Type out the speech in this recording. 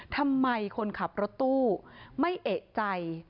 ทำไมคนขับรถตู้ไม่เอกใจ